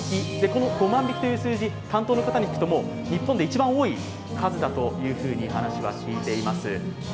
この５万匹という数字、担当の方に聞くと日本で一番多い数だと話は聞いています。